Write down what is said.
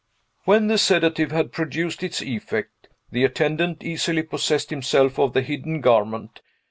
When the sedative had produced its effect, the attendant easily possessed himself of the hidden garment.